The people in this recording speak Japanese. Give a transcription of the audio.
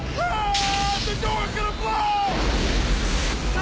あ！